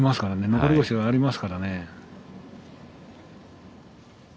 残り腰がありますからね。